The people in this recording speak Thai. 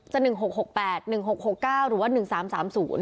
จะ๑๖๖๘๑๖๖๙หรือว่า๑๓๓๐